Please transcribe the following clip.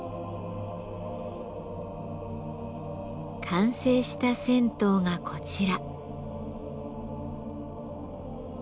完成した銭湯がこちら。